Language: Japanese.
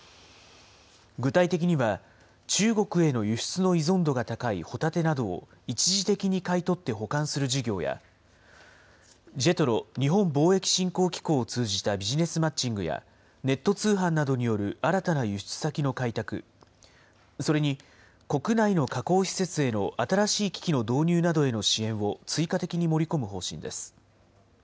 具体的には、中国への輸出の依存度が高いホタテなどを一時的に買い取って保管する事業や、ＪＥＴＲＯ・日本貿易振興機構を通じたビジネスマッチングや、ネット通販などによる新たな輸出先の開拓、それに国内の加工施設への新しい機器の導入などへの支援を追加的に盛り込む方針です。